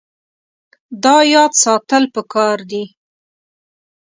دا یاد ساتل پکار دي.